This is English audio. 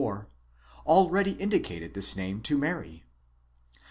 34) already indicated this name to Mary.